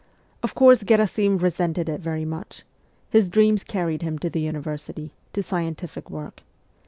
Of course Gherasim resented it very much ; his dreams carried him to the university, to scientific work.